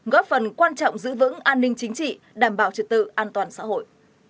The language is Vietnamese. góp phần quan trọng giữ vững an ninh chính trị đảm bảo trật tự an toàn xã hội